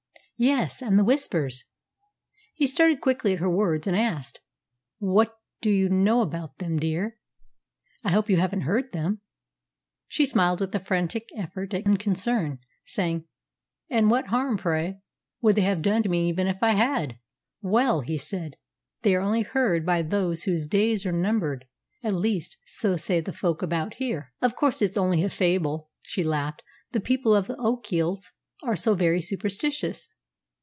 "Yes; and the Whispers." He started quickly at her words, and asked, "What do you know about them, dear? I hope you haven't heard them?" She smiled, with a frantic effort at unconcern, saying, "And what harm, pray, would they have done me, even if I had?" "Well," he said, "they are only heard by those whose days are numbered; at least, so say the folk about here." "Of course, it's only a fable," she laughed. "The people of the Ochils are so very superstitious."